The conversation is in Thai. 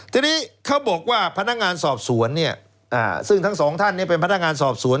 ทีนี้เขาบอกว่าพนักงานสอบสวนเนี่ยซึ่งทั้งสองท่านเป็นพนักงานสอบสวน